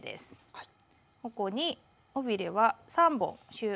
はい。